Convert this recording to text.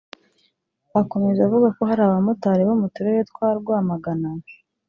Akomeza avuga ko hari abamotari bo mu turere twa Rwamagana